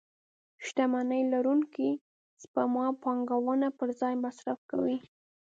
شتمنيو لرونکي سپما پانګونه پر ځای مصرف کوي.